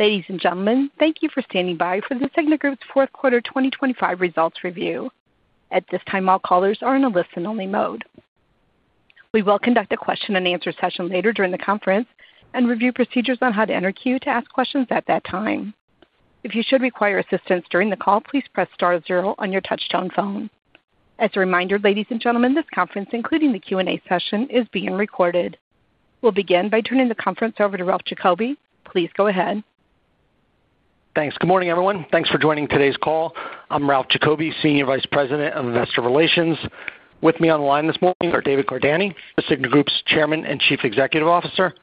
Ladies and gentlemen, thank you for standing by for The Cigna Group's fourth quarter 2025 results review. At this time, all callers are in a listen-only mode. We will conduct a question-and-answer session later during the conference and review procedures on how to inquire to ask questions at that time. If you should require assistance during the call, please press star zero on your touch-tone phone. As a reminder, ladies and gentlemen, this conference, including the Q&A session, is being recorded. We'll begin by turning the conference over to Ralph Giacobbe. Please go ahead. Thanks. Good morning, everyone. Thanks for joining today's call. I'm Ralph Giacobbe, Senior Vice President of Investor Relations. With me on the line this morning are David Cordani, The Cigna Group's Chairman and Chief Executive Officer,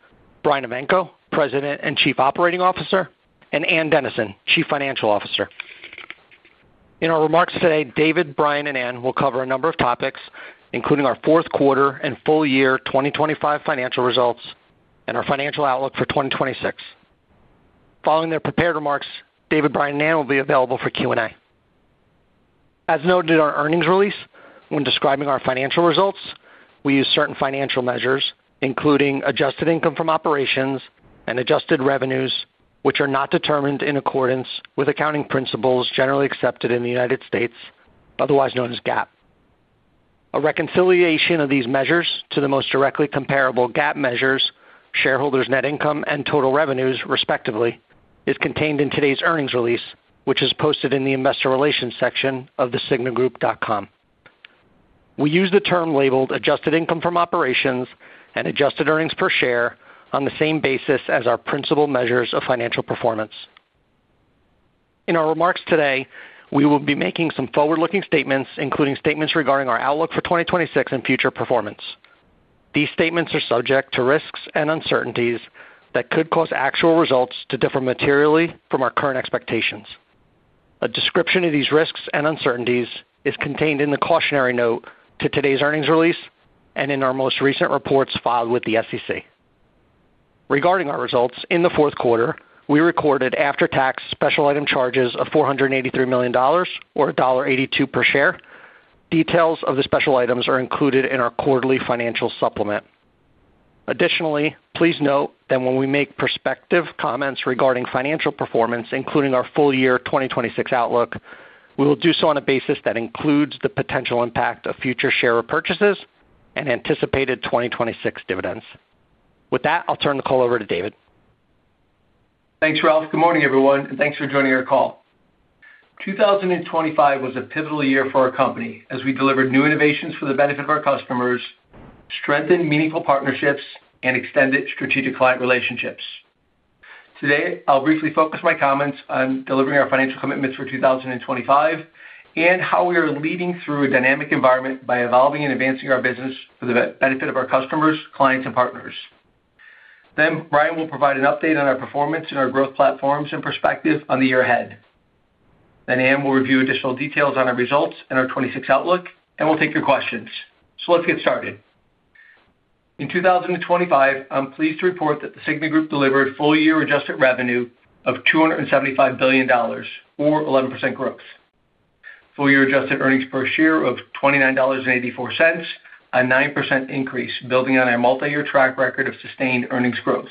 Brian Evanko, President and Chief Operating Officer, and Ann Dennison, Chief Financial Officer. In our remarks today, David, Brian, and Ann will cover a number of topics, including our fourth quarter and full-year 2025 financial results and our financial outlook for 2026. Following their prepared remarks, David, Brian, and Ann will be available for Q&A. As noted in our earnings release, when describing our financial results, we use certain financial measures, including adjusted income from operations and adjusted revenues, which are not determined in accordance with accounting principles generally accepted in the United States, otherwise known as GAAP. A reconciliation of these measures to the most directly comparable GAAP measures, shareholders' net income, and total revenues, respectively, is contained in today's earnings release, which is posted in the Investor Relations section of thecignagroup.com. We use the term labeled adjusted income from operations and adjusted earnings per share on the same basis as our principal measures of financial performance. In our remarks today, we will be making some forward-looking statements, including statements regarding our outlook for 2026 and future performance. These statements are subject to risks and uncertainties that could cause actual results to differ materially from our current expectations. A description of these risks and uncertainties is contained in the cautionary note to today's earnings release and in our most recent reports filed with the SEC. Regarding our results in the fourth quarter, we recorded after-tax special item charges of $483 million or $1.82 per share. Details of the special items are included in our quarterly financial supplement. Additionally, please note that when we make prospective comments regarding financial performance, including our full-year 2026 outlook, we will do so on a basis that includes the potential impact of future share repurchases and anticipated 2026 dividends. With that, I'll turn the call over to David. Thanks, Ralph. Good morning, everyone, and thanks for joining our call. 2025 was a pivotal year for our company as we delivered new innovations for the benefit of our customers, strengthened meaningful partnerships, and extended strategic client relationships. Today, I'll briefly focus my comments on delivering our financial commitments for 2025 and how we are leading through a dynamic environment by evolving and advancing our business for the benefit of our customers, clients, and partners. Then Brian will provide an update on our performance and our growth platforms and perspective on the year ahead. Then Ann will review additional details on our results and our 2026 outlook, and we'll take your questions. So let's get started. In 2025, I'm pleased to report that The Cigna Group delivered full-year adjusted revenue of $275 billion or 11% growth, full-year adjusted earnings per share of $29.84, a 9% increase building on our multi-year track record of sustained earnings growth.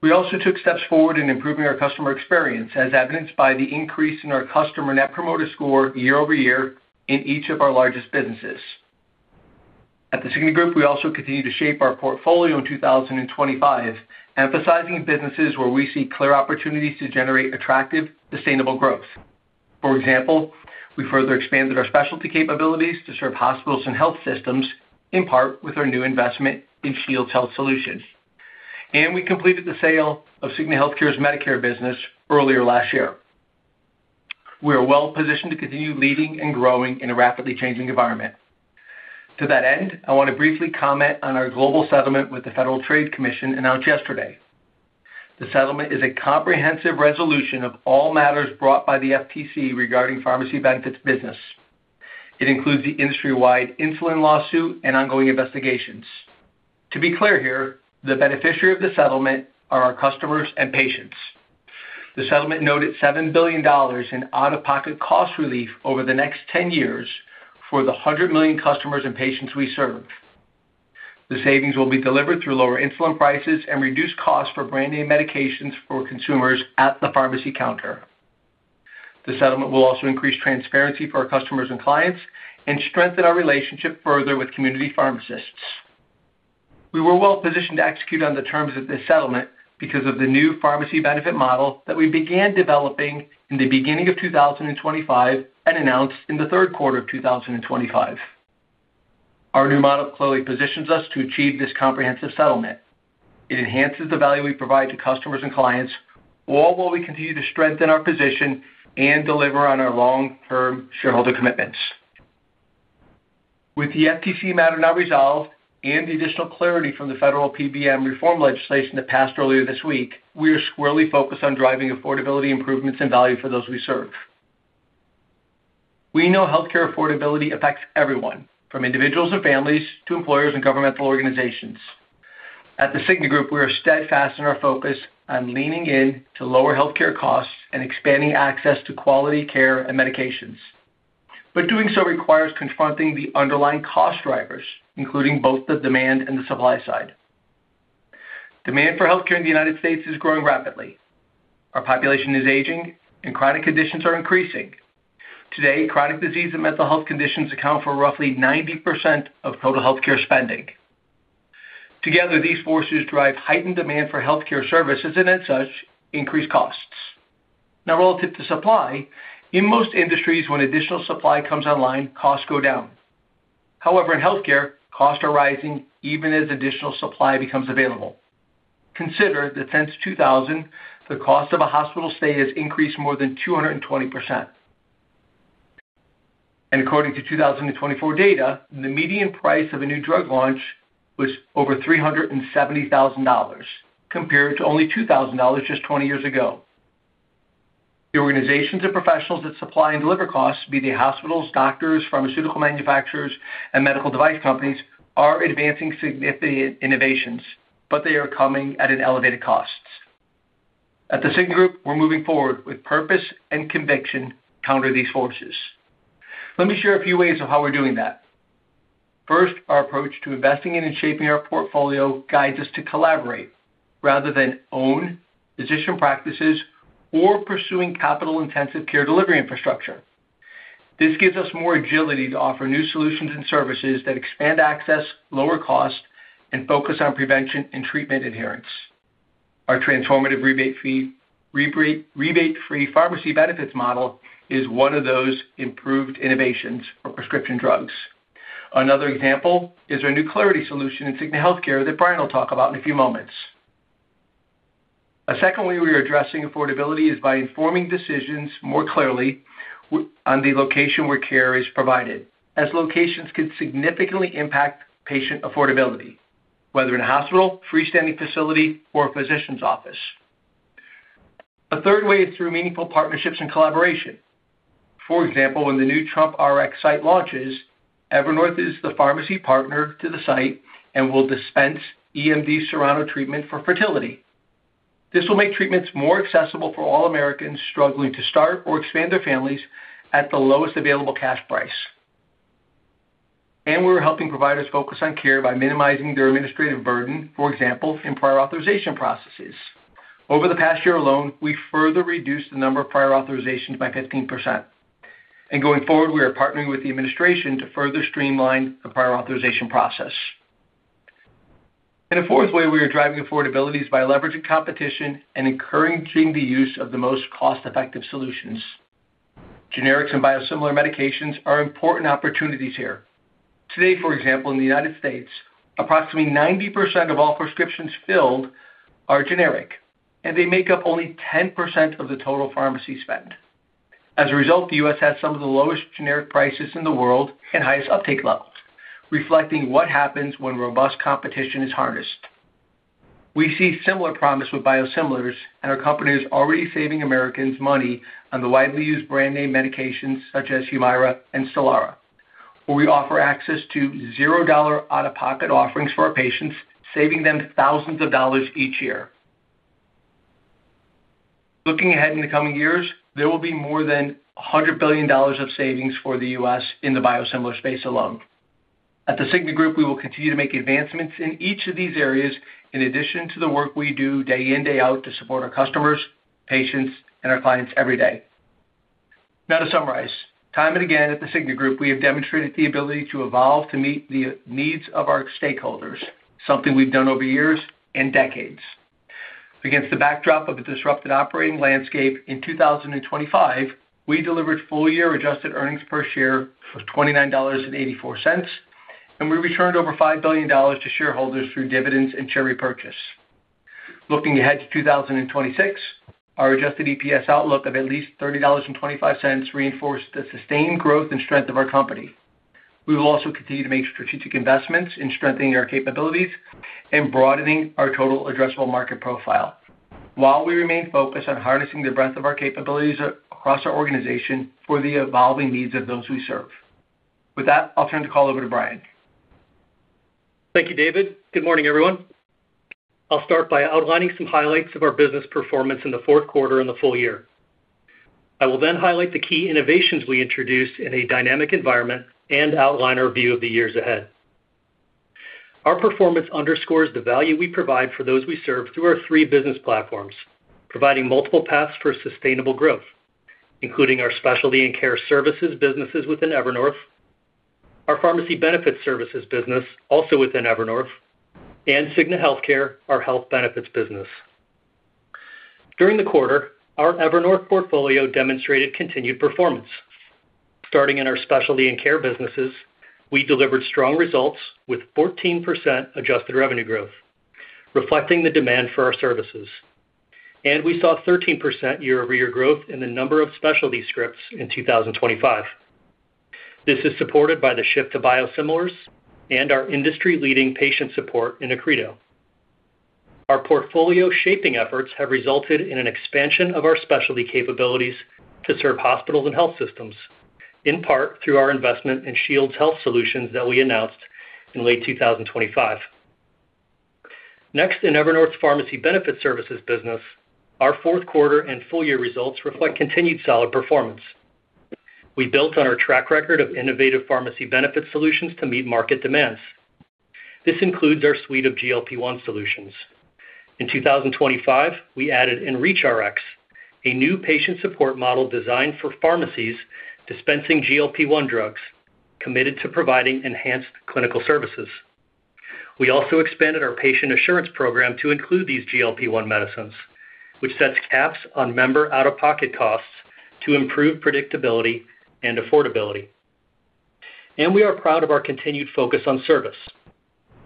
We also took steps forward in improving our customer experience, as evidenced by the increase in our customer Net Promoter Score year-over-year in each of our largest businesses. At The Cigna Group, we also continue to shape our portfolio in 2025, emphasizing businesses where we see clear opportunities to generate attractive, sustainable growth. For example, we further expanded our specialty capabilities to serve hospitals and health systems, in part with our new investment in Shields Health Solutions. We completed the sale of Cigna Healthcare's Medicare business earlier last year. We are well positioned to continue leading and growing in a rapidly changing environment. To that end, I want to briefly comment on our global settlement with the Federal Trade Commission announced yesterday. The settlement is a comprehensive resolution of all matters brought by the FTC regarding pharmacy benefits business. It includes the industry-wide insulin lawsuit and ongoing investigations. To be clear here, the beneficiary of the settlement are our customers and patients. The settlement noted $7 billion in out-of-pocket cost relief over the next 10 years for the 100 million customers and patients we serve. The savings will be delivered through lower insulin prices and reduced costs for brand name medications for consumers at the pharmacy counter. The settlement will also increase transparency for our customers and clients and strengthen our relationship further with community pharmacists. We were well positioned to execute on the terms of this settlement because of the new pharmacy benefit model that we began developing in the beginning of 2025 and announced in the third quarter of 2025. Our new model clearly positions us to achieve this comprehensive settlement. It enhances the value we provide to customers and clients, all while we continue to strengthen our position and deliver on our long-term shareholder commitments. With the FTC matter now resolved and the additional clarity from the federal PBM reform legislation that passed earlier this week, we are squarely focused on driving affordability improvements and value for those we serve. We know healthcare affordability affects everyone, from individuals and families to employers and governmental organizations. At The Cigna Group, we are steadfast in our focus on leaning in to lower healthcare costs and expanding access to quality care and medications. But doing so requires confronting the underlying cost drivers, including both the demand and the supply side. Demand for healthcare in the United States is growing rapidly. Our population is aging, and chronic conditions are increasing. Today, chronic disease and mental health conditions account for roughly 90% of total healthcare spending. Together, these forces drive heightened demand for healthcare services and, as such, increased costs. Now, relative to supply, in most industries, when additional supply comes online, costs go down. However, in healthcare, costs are rising even as additional supply becomes available. Consider that since 2000, the cost of a hospital stay has increased more than 220%. And according to 2024 data, the median price of a new drug launch was over $370,000, compared to only $2,000 just 20 years ago. The organizations and professionals that supply and deliver costs, be they hospitals, doctors, pharmaceutical manufacturers, and medical device companies, are advancing significant innovations, but they are coming at an elevated cost. At The Cigna Group, we're moving forward with purpose and conviction to counter these forces. Let me share a few ways of how we're doing that. First, our approach to investing and shaping our portfolio guides us to collaborate rather than own, position practices, or pursuing capital-intensive care delivery infrastructure. This gives us more agility to offer new solutions and services that expand access, lower costs, and focus on prevention and treatment adherence. Our transformative rebate-free pharmacy benefits model is one of those improved innovations for prescription drugs. Another example is our new Clarity Solution in Cigna Healthcare that Brian will talk about in a few moments. A second way we are addressing affordability is by informing decisions more clearly on the location where care is provided, as locations could significantly impact patient affordability, whether in a hospital, freestanding facility, or a physician's office. A third way is through meaningful partnerships and collaboration. For example, when the new TrumpRx site launches, Evernorth is the pharmacy partner to the site and will dispense EMD Serono treatment for fertility. This will make treatments more accessible for all Americans struggling to start or expand their families at the lowest available cash price. And we're helping providers focus on care by minimizing their administrative burden, for example, in prior authorization processes. Over the past year alone, we further reduced the number of prior authorizations by 15%. And going forward, we are partnering with the administration to further streamline the prior authorization process. A fourth way we are driving affordability is by leveraging competition and encouraging the use of the most cost-effective solutions. Generics and biosimilar medications are important opportunities here. Today, for example, in the United States, approximately 90% of all prescriptions filled are generic, and they make up only 10% of the total pharmacy spend. As a result, the U.S. has some of the lowest generic prices in the world and highest uptake levels, reflecting what happens when robust competition is harnessed. We see similar promise with biosimilars, and our company is already saving Americans money on the widely used brand name medications such as HUMIRA and STELARA, where we offer access to $0 out-of-pocket offerings for our patients, saving them thousands of dollars each year. Looking ahead in the coming years, there will be more than $100 billion of savings for the U.S. in the biosimilar space alone. At The Cigna Group, we will continue to make advancements in each of these areas, in addition to the work we do day in, day out to support our customers, patients, and our clients every day. Now, to summarize, time and again at The Cigna Group, we have demonstrated the ability to evolve to meet the needs of our stakeholders, something we've done over years and decades. Against the backdrop of a disrupted operating landscape, in 2025, we delivered full-year adjusted earnings per share of $29.84, and we returned over $5 billion to shareholders through dividends and share repurchase. Looking ahead to 2026, our adjusted EPS outlook of at least $30.25 reinforced the sustained growth and strength of our company. We will also continue to make strategic investments in strengthening our capabilities and broadening our total addressable market profile, while we remain focused on harnessing the breadth of our capabilities across our organization for the evolving needs of those we serve. With that, I'll turn the call over to Brian. Thank you, David. Good morning, everyone. I'll start by outlining some highlights of our business performance in the fourth quarter and the full year. I will then highlight the key innovations we introduced in a dynamic environment and outline our view of the years ahead. Our performance underscores the value we provide for those we serve through our three business platforms, providing multiple paths for sustainable growth, including our specialty and care services businesses within Evernorth, our pharmacy benefits services business also within Evernorth, and Cigna Healthcare, our health benefits business. During the quarter, our Evernorth portfolio demonstrated continued performance. Starting in our specialty and care businesses, we delivered strong results with 14% adjusted revenue growth, reflecting the demand for our services. We saw 13% year-over-year growth in the number of specialty scripts in 2025. This is supported by the shift to biosimilars and our industry-leading patient support in Accredo. Our portfolio shaping efforts have resulted in an expansion of our specialty capabilities to serve hospitals and health systems, in part through our investment in Shields Health Solutions that we announced in late 2025. Next, in Evernorth's pharmacy benefits services business, our fourth quarter and full year results reflect continued solid performance. We built on our track record of innovative pharmacy benefits solutions to meet market demands. This includes our suite of GLP-1 solutions. In 2025, we added EnReachRx, a new patient support model designed for pharmacies dispensing GLP-1 drugs, committed to providing enhanced clinical services. We also expanded our Patient Assurance Program to include these GLP-1 medicines, which sets caps on member out-of-pocket costs to improve predictability and affordability. And we are proud of our continued focus on service.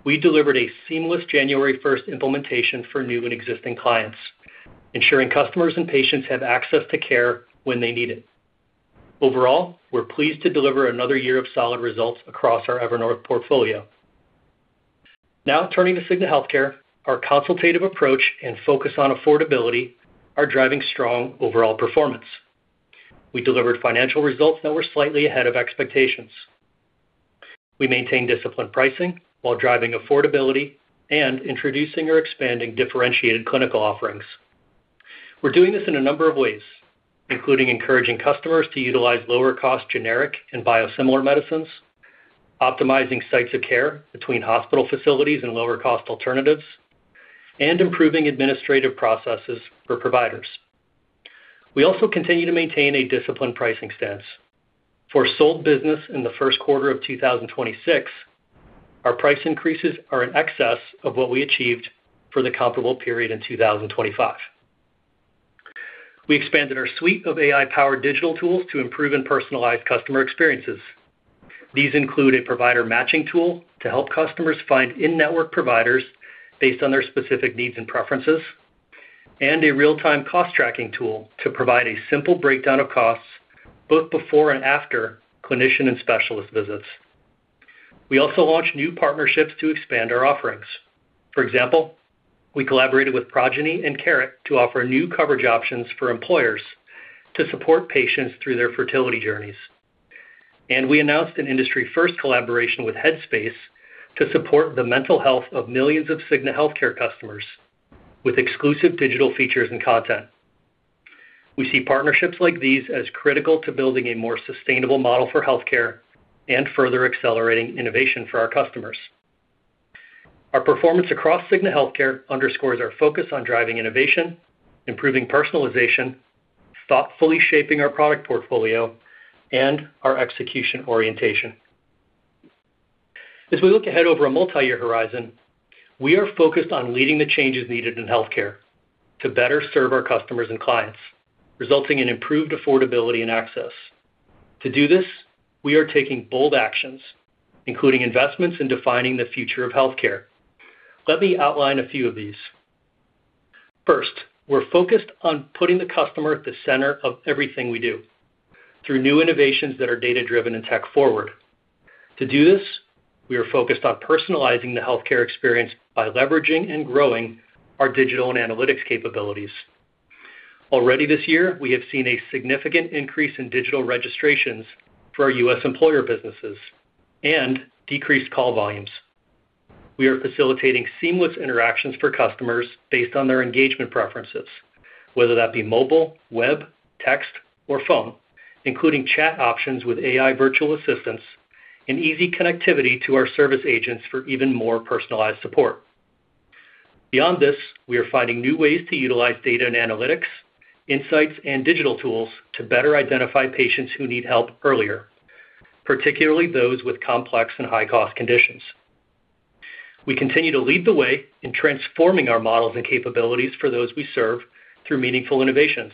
We delivered a seamless January 1st implementation for new and existing clients, ensuring customers and patients have access to care when they need it. Overall, we're pleased to deliver another year of solid results across our Evernorth portfolio. Now, turning to Cigna Healthcare, our consultative approach and focus on affordability are driving strong overall performance. We delivered financial results that were slightly ahead of expectations. We maintained disciplined pricing while driving affordability and introducing or expanding differentiated clinical offerings. We're doing this in a number of ways, including encouraging customers to utilize lower-cost generic and biosimilar medicines, optimizing sites of care between hospital facilities and lower-cost alternatives, and improving administrative processes for providers. We also continue to maintain a disciplined pricing stance. For sold business in the first quarter of 2026, our price increases are in excess of what we achieved for the comparable period in 2025. We expanded our suite of AI-powered digital tools to improve and personalize customer experiences. These include a provider matching tool to help customers find in-network providers based on their specific needs and preferences, and a real-time cost tracking tool to provide a simple breakdown of costs both before and after clinician and specialist visits. We also launched new partnerships to expand our offerings. For example, we collaborated with Progyny and Carrot to offer new coverage options for employers to support patients through their fertility journeys. And we announced an industry-first collaboration with Headspace to support the mental health of millions of Cigna Healthcare customers with exclusive digital features and content. We see partnerships like these as critical to building a more sustainable model for healthcare and further accelerating innovation for our customers. Our performance across Cigna Healthcare underscores our focus on driving innovation, improving personalization, thoughtfully shaping our product portfolio, and our execution orientation. As we look ahead over a multi-year horizon, we are focused on leading the changes needed in healthcare to better serve our customers and clients, resulting in improved affordability and access. To do this, we are taking bold actions, including investments in defining the future of healthcare. Let me outline a few of these. First, we're focused on putting the customer at the center of everything we do through new innovations that are data-driven and tech-forward. To do this, we are focused on personalizing the healthcare experience by leveraging and growing our digital and analytics capabilities. Already this year, we have seen a significant increase in digital registrations for our U.S. employer businesses and decreased call volumes. We are facilitating seamless interactions for customers based on their engagement preferences, whether that be mobile, web, text, or phone, including chat options with AI virtual assistants and easy connectivity to our service agents for even more personalized support. Beyond this, we are finding new ways to utilize data and analytics, insights, and digital tools to better identify patients who need help earlier, particularly those with complex and high-cost conditions. We continue to lead the way in transforming our models and capabilities for those we serve through meaningful innovations.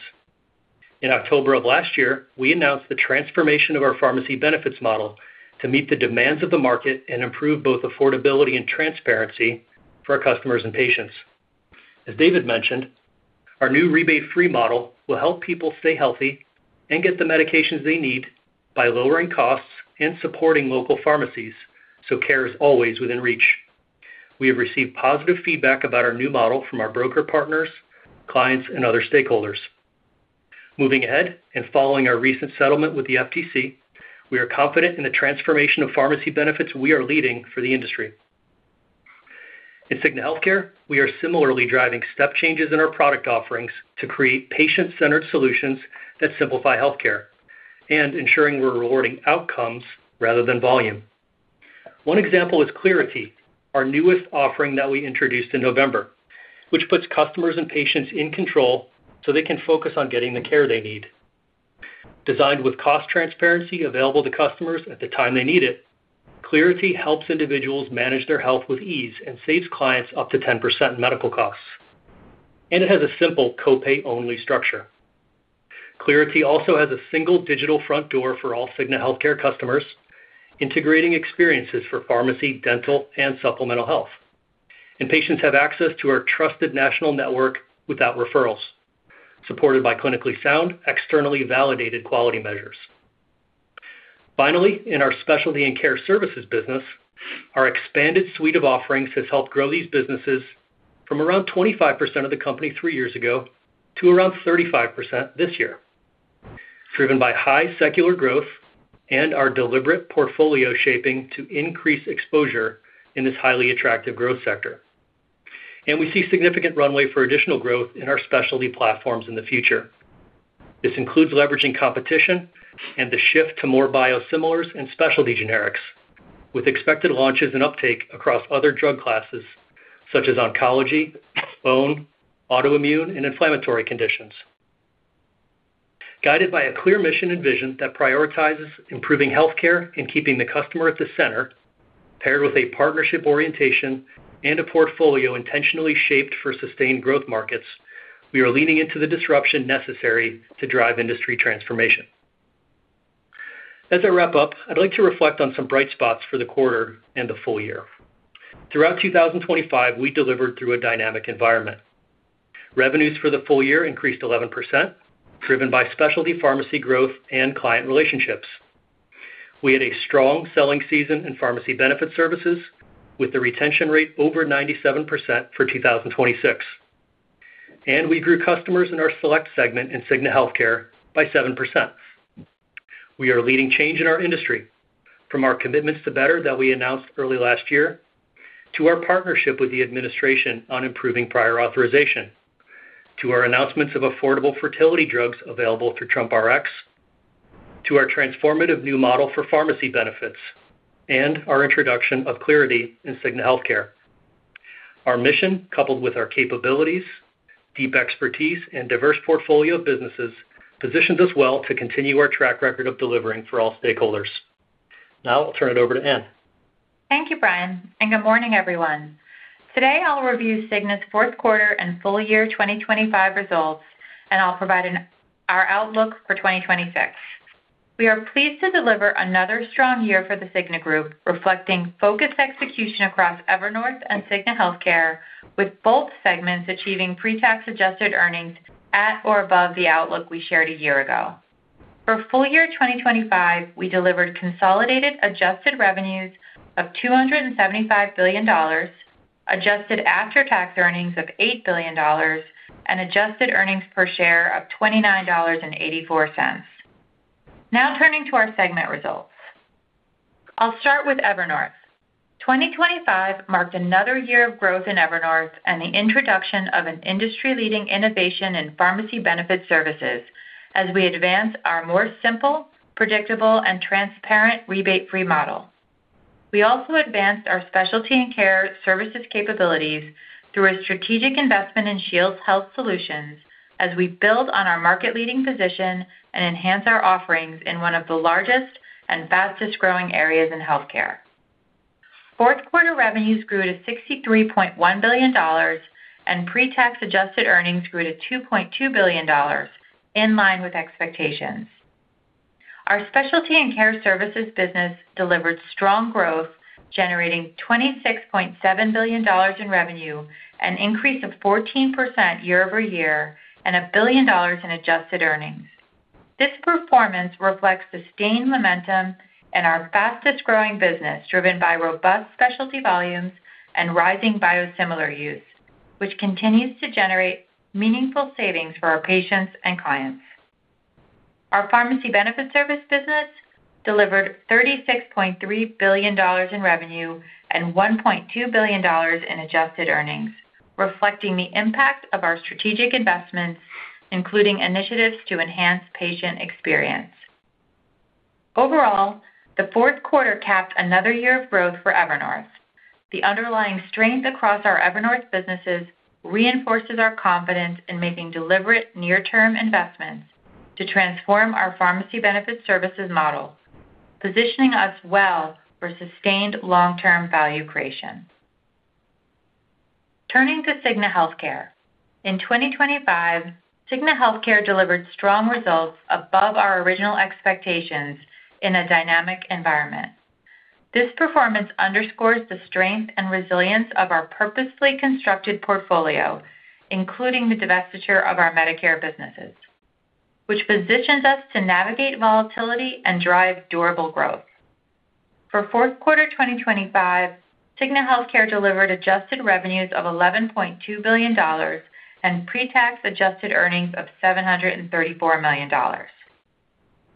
In October of last year, we announced the transformation of our pharmacy benefits model to meet the demands of the market and improve both affordability and transparency for our customers and patients. As David mentioned, our new rebate-free model will help people stay healthy and get the medications they need by lowering costs and supporting local pharmacies so care is always within reach. We have received positive feedback about our new model from our broker partners, clients, and other stakeholders. Moving ahead and following our recent settlement with the FTC, we are confident in the transformation of pharmacy benefits we are leading for the industry. In Cigna Healthcare, we are similarly driving step changes in our product offerings to create patient-centered solutions that simplify healthcare and ensuring we're rewarding outcomes rather than volume. One example is Clarity, our newest offering that we introduced in November, which puts customers and patients in control so they can focus on getting the care they need. Designed with cost transparency available to customers at the time they need it, Clarity helps individuals manage their health with ease and saves clients up to 10% in medical costs. It has a simple copay-only structure. Clarity also has a single digital front door for all Cigna Healthcare customers, integrating experiences for pharmacy, dental, and supplemental health. Patients have access to our trusted national network without referrals, supported by clinically sound, externally validated quality measures. Finally, in our specialty and care services business, our expanded suite of offerings has helped grow these businesses from around 25% of the company three years ago to around 35% this year, driven by high secular growth and our deliberate portfolio shaping to increase exposure in this highly attractive growth sector. We see significant runway for additional growth in our specialty platforms in the future. This includes leveraging competition and the shift to more biosimilars and specialty generics, with expected launches and uptake across other drug classes such as oncology, bone, autoimmune, and inflammatory conditions. Guided by a clear mission and vision that prioritizes improving healthcare and keeping the customer at the center, paired with a partnership orientation and a portfolio intentionally shaped for sustained growth markets, we are leaning into the disruption necessary to drive industry transformation. As I wrap up, I'd like to reflect on some bright spots for the quarter and the full year. Throughout 2025, we delivered through a dynamic environment. Revenues for the full year increased 11%, driven by specialty pharmacy growth and client relationships. We had a strong selling season in pharmacy benefit services, with the retention rate over 97% for 2026. We grew customers in our Select segment in Cigna Healthcare by 7%. We are leading change in our industry, from our commitments to better that we announced early last year, to our partnership with the administration on improving prior authorization, to our announcements of affordable fertility drugs available through TrumpRx, to our transformative new model for pharmacy benefits, and our introduction of Clarity in Cigna Healthcare. Our mission, coupled with our capabilities, deep expertise, and diverse portfolio of businesses, positions us well to continue our track record of delivering for all stakeholders. Now, I'll turn it over to Ann. Thank you, Brian, and good morning, everyone. Today, I'll review The Cigna Group's fourth quarter and full year 2025 results, and I'll provide our outlook for 2026. We are pleased to deliver another strong year for The Cigna Group, reflecting focused execution across Evernorth and Cigna Healthcare, with both segments achieving pre-tax adjusted earnings at or above the outlook we shared a year ago. For full year 2025, we delivered consolidated adjusted revenues of $275 billion, adjusted after-tax earnings of $8 billion, and adjusted earnings per share of $29.84. Now, turning to our segment results. I'll start with Evernorth. 2025 marked another year of growth in Evernorth and the introduction of an industry-leading innovation in pharmacy benefit services as we advance our more simple, predictable, and transparent rebate-free model. We also advanced our specialty and care services capabilities through a strategic investment in Shields Health Solutions as we build on our market-leading position and enhance our offerings in one of the largest and fastest-growing areas in healthcare. Fourth quarter revenues grew to $63.1 billion, and pre-tax adjusted earnings grew to $2.2 billion, in line with expectations. Our specialty and care services business delivered strong growth, generating $26.7 billion in revenue, an increase of 14% year-over-year, and $1 billion in adjusted earnings. This performance reflects sustained momentum in our fastest-growing business, driven by robust specialty volumes and rising biosimilar use, which continues to generate meaningful savings for our patients and clients. Our pharmacy benefit service business delivered $36.3 billion in revenue and $1.2 billion in adjusted earnings, reflecting the impact of our strategic investments, including initiatives to enhance patient experience. Overall, the fourth quarter capped another year of growth for Evernorth. The underlying strength across our Evernorth businesses reinforces our confidence in making deliberate near-term investments to transform our pharmacy benefit services model, positioning us well for sustained long-term value creation. Turning to Cigna Healthcare. In 2025, Cigna Healthcare delivered strong results above our original expectations in a dynamic environment. This performance underscores the strength and resilience of our purposefully constructed portfolio, including the divestiture of our Medicare businesses, which positions us to navigate volatility and drive durable growth. For fourth quarter 2025, Cigna Healthcare delivered adjusted revenues of $11.2 billion and pre-tax adjusted earnings of $734 million.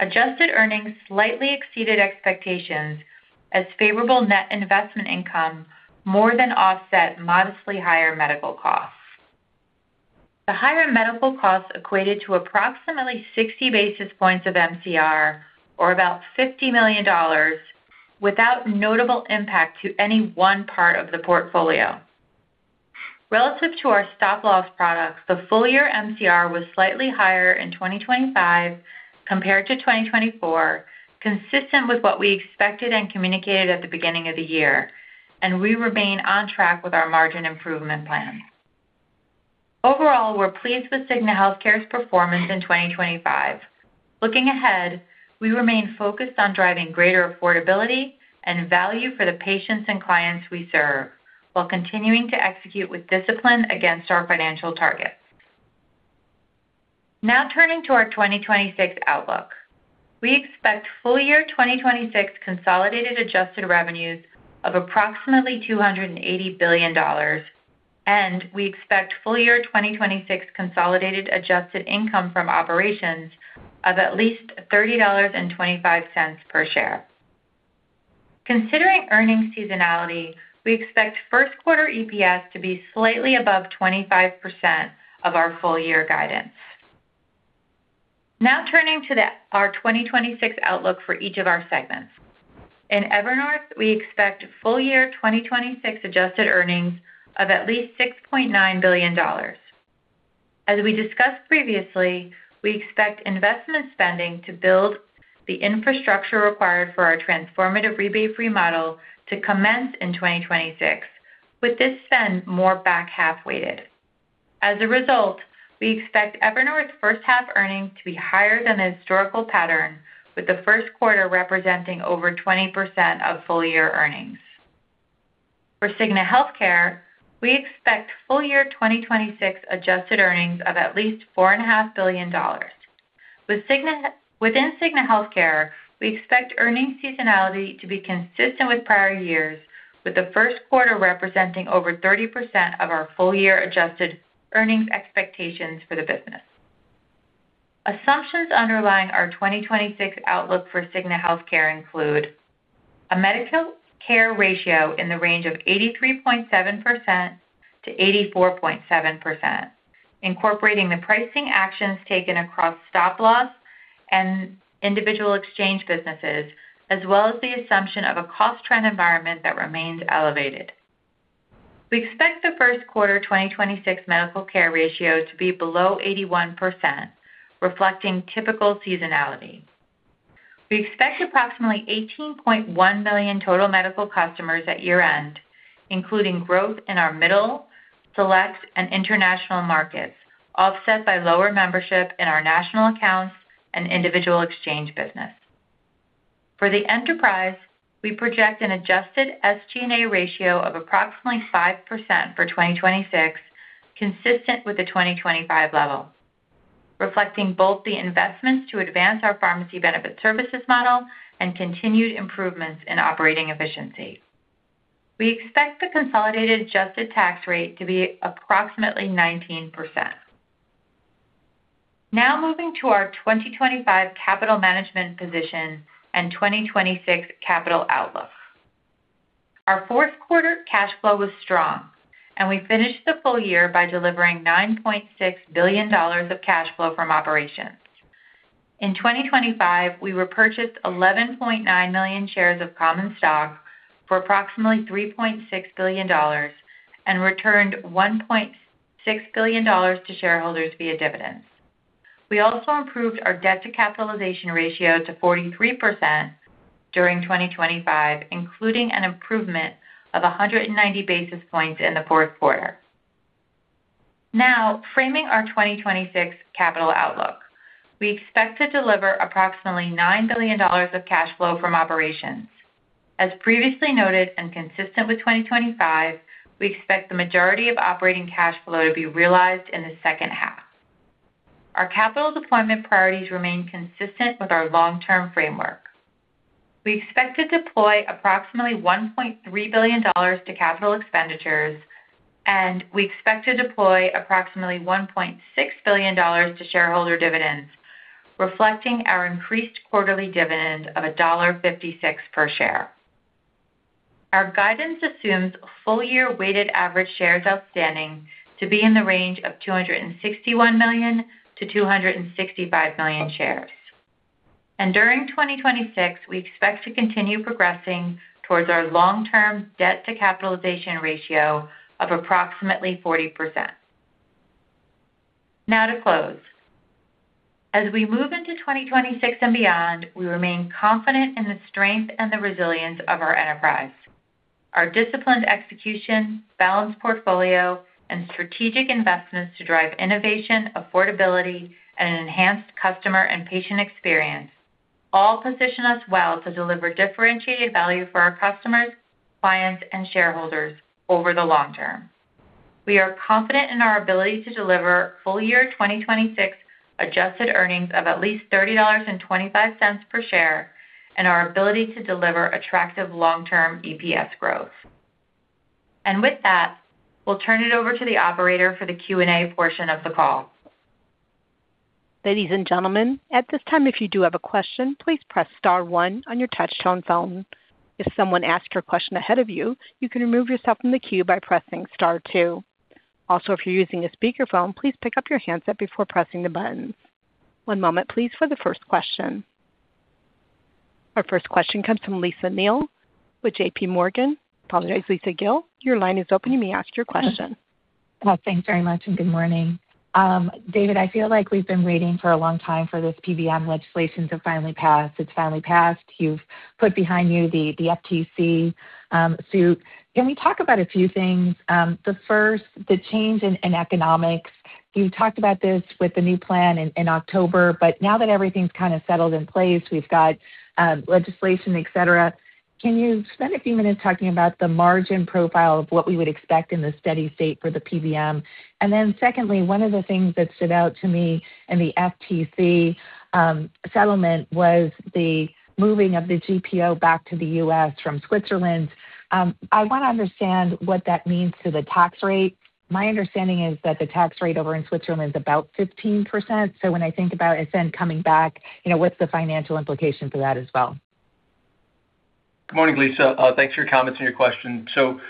Adjusted earnings slightly exceeded expectations as favorable net investment income more than offset modestly higher medical costs. The higher medical costs equated to approximately 60 basis points of MCR, or about $50 million, without notable impact to any one part of the portfolio. Relative to our stop-loss products, the full-year MCR was slightly higher in 2025 compared to 2024, consistent with what we expected and communicated at the beginning of the year, and we remain on track with our margin improvement plan. Overall, we're pleased with Cigna Healthcare's performance in 2025. Looking ahead, we remain focused on driving greater affordability and value for the patients and clients we serve, while continuing to execute with discipline against our financial targets. Now, turning to our 2026 outlook. We expect full year 2026 consolidated adjusted revenues of approximately $280 billion, and we expect full year 2026 consolidated adjusted income from operations of at least $30.25 per share. Considering earnings seasonality, we expect first quarter EPS to be slightly above 25% of our full-year guidance. Now, turning to our 2026 outlook for each of our segments. In Evernorth, we expect full year 2026 adjusted earnings of at least $6.9 billion. As we discussed previously, we expect investment spending to build the infrastructure required for our transformative rebate-free model to commence in 2026, with this spend more back half-weighted. As a result, we expect Evernorth's first-half earnings to be higher than the historical pattern, with the first quarter representing over 20% of full-year earnings. For Cigna Healthcare, we expect full year 2026 adjusted earnings of at least $4.5 billion. Within Cigna Healthcare, we expect earnings seasonality to be consistent with prior years, with the first quarter representing over 30% of our full-year adjusted earnings expectations for the business. Assumptions underlying our 2026 outlook for Cigna Healthcare include a medical care ratio in the range of 83.7%-84.7%, incorporating the pricing actions taken across stop-loss and individual exchange businesses, as well as the assumption of a cost trend environment that remains elevated. We expect the first quarter 2026 medical care ratio to be below 81%, reflecting typical seasonality. We expect approximately 18.1 million total medical customers at year-end, including growth in our middle, select, and international markets, offset by lower membership in our national accounts and individual exchange business. For the enterprise, we project an adjusted SG&A ratio of approximately 5% for 2026, consistent with the 2025 level, reflecting both the investments to advance our pharmacy benefit services model and continued improvements in operating efficiency. We expect the consolidated adjusted tax rate to be approximately 19%. Now, moving to our 2025 capital management position and 2026 capital outlook. Our fourth quarter cash flow was strong, and we finished the full year by delivering $9.6 billion of cash flow from operations. In 2025, we repurchased 11.9 million shares of common stock for approximately $3.6 billion and returned $1.6 billion to shareholders via dividends. We also improved our debt-to-capitalization ratio to 43% during 2025, including an improvement of 190 basis points in the fourth quarter. Now, framing our 2026 capital outlook. We expect to deliver approximately $9 billion of cash flow from operations. As previously noted and consistent with 2025, we expect the majority of operating cash flow to be realized in the second half. Our capital deployment priorities remain consistent with our long-term framework. We expect to deploy approximately $1.3 billion to capital expenditures, and we expect to deploy approximately $1.6 billion to shareholder dividends, reflecting our increased quarterly dividend of $1.56 per share. Our guidance assumes full-year weighted average shares outstanding to be in the range of 261 million-265 million shares. During 2026, we expect to continue progressing towards our long-term debt-to-capitalization ratio of approximately 40%. Now, to close. As we move into 2026 and beyond, we remain confident in the strength and the resilience of our enterprise. Our disciplined execution, balanced portfolio, and strategic investments to drive innovation, affordability, and an enhanced customer and patient experience all position us well to deliver differentiated value for our customers, clients, and shareholders over the long term. We are confident in our ability to deliver full year 2026 adjusted earnings of at least $30.25 per share and our ability to deliver attractive long-term EPS growth. With that, we'll turn it over to the operator for the Q&A portion of the call. Ladies and gentlemen, at this time, if you do have a question, please press star one on your touch-tone phone. If someone asked your question ahead of you, you can remove yourself from the queue by pressing star two. Also, if you're using a speakerphone, please pick up your handset before pressing the buttons. One moment, please, for the first question. Our first question comes from Lisa Gill with JPMorgan. Apologies, Lisa Gill. Your line is open. You may ask your question. Thanks very much, and good morning. David, I feel like we've been waiting for a long time for this PBM legislation to finally pass. It's finally passed. You've put behind you the FTC suit. Can we talk about a few things? The first, the change in economics. You've talked about this with the new plan in October, but now that everything's kind of settled in place, we've got legislation, etc., can you spend a few minutes talking about the margin profile of what we would expect in the steady state for the PBM? And then secondly, one of the things that stood out to me in the FTC settlement was the moving of the GPO back to the U.S. from Switzerland. I want to understand what that means to the tax rate. My understanding is that the tax rate over in Switzerland is about 15%. So when I think about it then coming back, what's the financial implication for that as well? Good morning, Lisa. Thanks for your comments and your question. So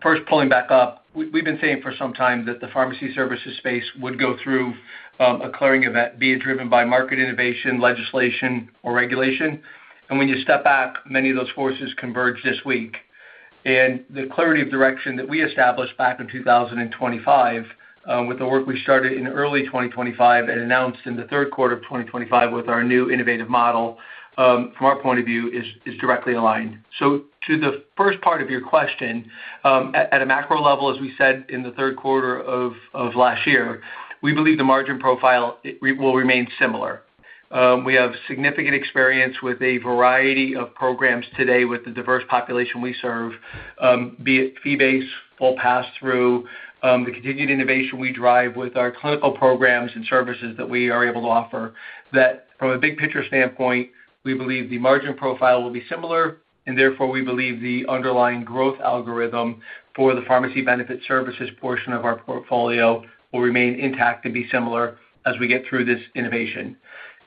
first, pulling back up, we've been saying for some time that the pharmacy services space would go through a clearing event, be it driven by market innovation, legislation, or regulation. And when you step back, many of those forces converge this week. And the clarity of direction that we established back in 2025 with the work we started in early 2025 and announced in the third quarter of 2025 with our new innovative model, from our point of view, is directly aligned. So to the first part of your question, at a macro level, as we said in the third quarter of last year, we believe the margin profile will remain similar. We have significant experience with a variety of programs today with the diverse population we serve, be it fee-based, full pass-through, the continued innovation we drive with our clinical programs and services that we are able to offer, that from a big picture standpoint, we believe the margin profile will be similar, and therefore we believe the underlying growth algorithm for the pharmacy benefit services portion of our portfolio will remain intact and be similar as we get through this innovation.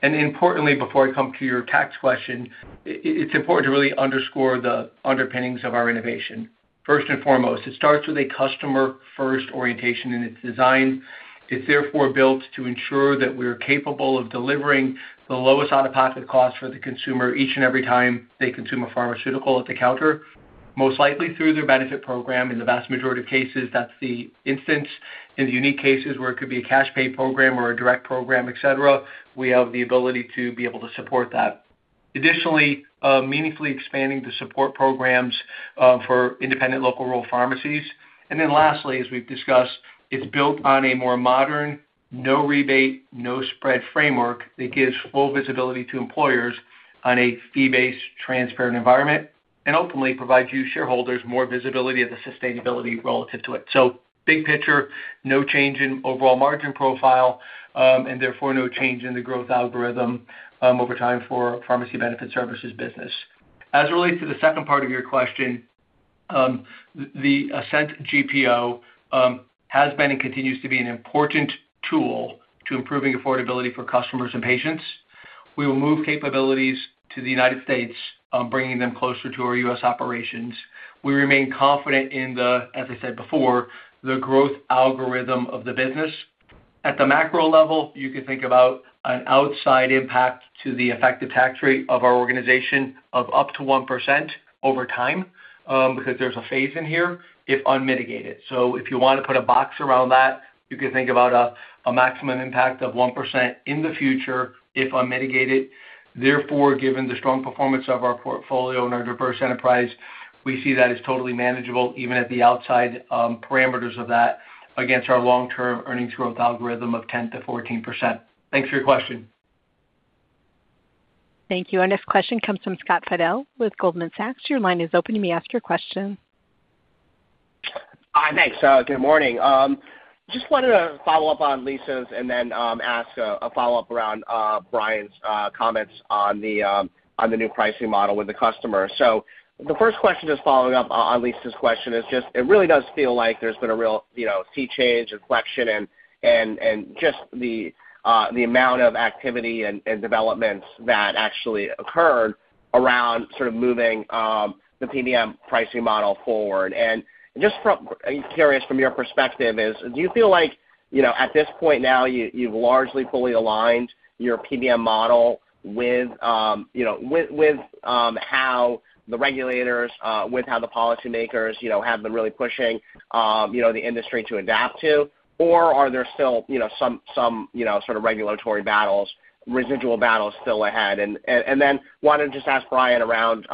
Importantly, before I come to your tax question, it's important to really underscore the underpinnings of our innovation. First and foremost, it starts with a customer-first orientation in its design. It's therefore built to ensure that we're capable of delivering the lowest out-of-pocket cost for the consumer each and every time they consume a pharmaceutical at the counter, most likely through their benefit program. In the vast majority of cases, that's the instance. In the unique cases where it could be a cash pay program or a direct program, etc., we have the ability to be able to support that. Additionally, meaningfully expanding the support programs for independent local rural pharmacies. And then lastly, as we've discussed, it's built on a more modern no-rebate, no-spread framework that gives full visibility to employers on a fee-based, transparent environment and ultimately provides you shareholders more visibility of the sustainability relative to it. So big picture, no change in overall margin profile, and therefore no change in the growth algorithm over time for pharmacy benefit services business. As it relates to the second part of your question, the Ascent GPO has been and continues to be an important tool to improving affordability for customers and patients. We will move capabilities to the United States, bringing them closer to our U.S. operations. We remain confident in the, as I said before, the growth algorithm of the business. At the macro level, you can think about an outside impact to the effective tax rate of our organization of up to 1% over time because there's a phase in here if unmitigated. So if you want to put a box around that, you can think about a maximum impact of 1% in the future if unmitigated. Therefore, given the strong performance of our portfolio and our diverse enterprise, we see that as totally manageable, even at the outside parameters of that, against our long-term earnings growth algorithm of 10%-14%. Thanks for your question. Thank you. Our next question comes from Scott Fidel with Goldman Sachs. Your line is open. You may ask your question. Hi, thanks. Good morning. Just wanted to follow up on Lisa's and then ask a follow-up around Brian's comments on the new pricing model with the customer. So the first question just following up on Lisa's question is just it really does feel like there's been a real sea change and inflection and just the amount of activity and developments that actually occurred around sort of moving the PBM pricing model forward. And just curious from your perspective, do you feel like at this point now you've largely fully aligned your PBM model with how the regulators, with how the policymakers have been really pushing the industry to adapt to, or are there still some sort of regulatory battles, residual battles still ahead? And then wanted to just ask Brian around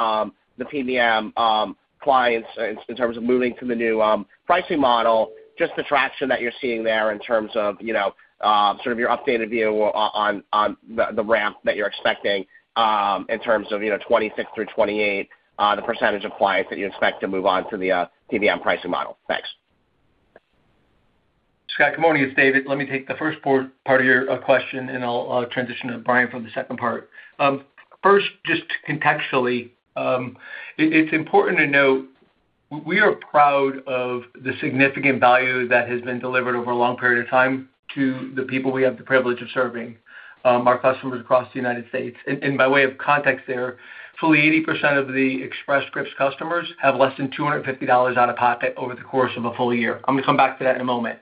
the PBM clients in terms of moving to the new pricing model, just the traction that you're seeing there in terms of sort of your updated view on the ramp that you're expecting in terms of 2026 through 2028, the percentage of clients that you expect to move on to the PBM pricing model? Thanks. Scott, good morning. It's David. Let me take the first part of your question, and I'll transition to Brian from the second part. First, just contextually, it's important to note we are proud of the significant value that has been delivered over a long period of time to the people we have the privilege of serving, our customers across the United States. By way of context there, fully 80% of the Express Scripts customers have less than $250 out-of-pocket over the course of a full year. I'm going to come back to that in a moment.